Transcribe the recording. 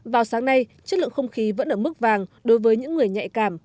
vào sáng nay chất lượng không khí vẫn ở mức vàng đối với những người nhạy cảm